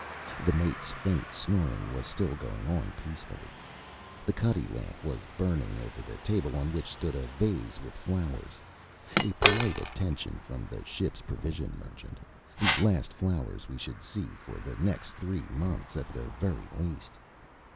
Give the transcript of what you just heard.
The mate's faint snoring was still going on peacefully. The cuddy lamp was burning over the table on which stood a vase with flowers, a polite attention from the ship's provision merchant the last flowers we should see for the next three months at the very least.